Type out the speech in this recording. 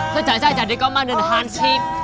sejak saya jadi komandan handship